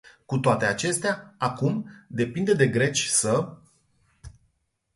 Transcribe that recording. Cu toate acestea, acum, depinde de greci să...